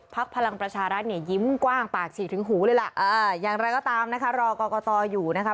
พลังประชารัฐเนี่ยยิ้มกว้างปากฉี่ถึงหูเลยล่ะอย่างไรก็ตามนะคะรอกรกตอยู่นะคะ